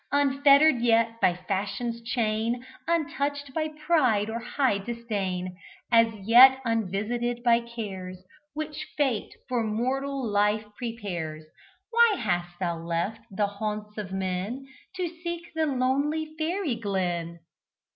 Unfettered yet by Fashion's chain, Untouched by pride or high disdain, As yet unvisited by cares Which fate for mortal life prepares, Why hast thou left the haunts of men To seek the lonely fairy glen?"